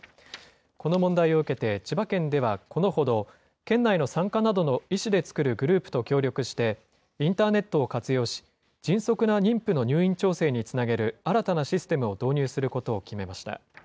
この問題を受けて、千葉県では、このほど、県内の産科などの医師で作るグループと協力して、インターネットを活用し、迅速な妊婦の入院調整につなげる新たなシステムを導入することを決めました。